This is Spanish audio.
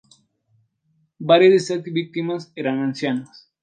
Varias de estas víctimas eran ancianos.